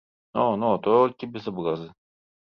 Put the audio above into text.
Но, но, толькі без абразы.